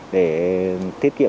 để tiết kiệm